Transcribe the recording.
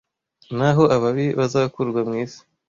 Naho ababi bazakurwa mu isi